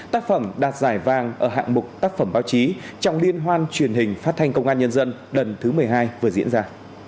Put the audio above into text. tác phẩm đạt giải vàng ở hạng mục tác phẩm báo chí trong liên hoan truyền hình phát thanh công an nhân dân lần thứ một mươi hai vừa diễn ra